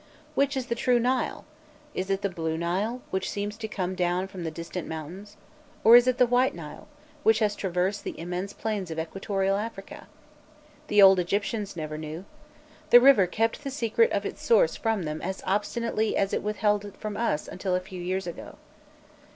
Which is the true Nile? Is it the Blue Nile, which seems to come down from the distant mountains? Or is it the White Nile, which has traversed the immense plains of equatorial Africa. The old Egyptians never knew. The river kept the secret of its source from them as obstinately as it withheld it from us until a few years ago.